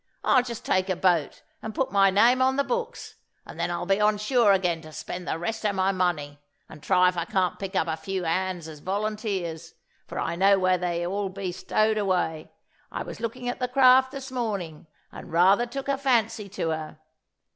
I'll just take a boat, and put my name on the books, and then I'll be on shore again to spend the rest of my money, and try if I can't pick up a few hands as volunteers, for I know where they all be stowed away, I was looking at the craft this morning, and rather took a fancy to her.